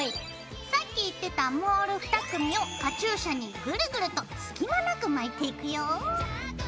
さっき言ってたモール２組をカチューシャにぐるぐると隙間なく巻いていくよ。